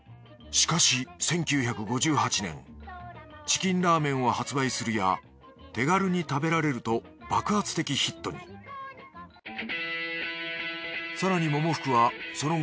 しかし１９５８年チキンラーメンを発売するや手軽に食べられると爆発的ヒットに更に百福はその後